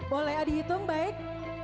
boleh dihitung baik